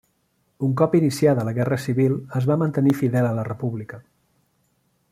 Un cop iniciada la Guerra civil es va mantenir fidel a la República.